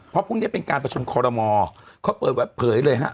เพราะพรุ่งนี้เป็นการประชุมคอรมอเขาเปิดเผยเลยฮะ